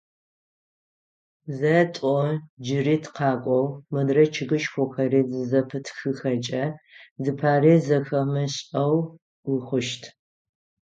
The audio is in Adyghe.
Зэ, тӏо джыри тыкъакӏоу, модрэ чъыгышхохэри зызэпытхыхэкӏэ, зыпари зэхэмышӏэу ухъущт.